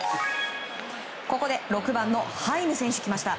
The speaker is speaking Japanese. ここで６番のハイム選手がきました。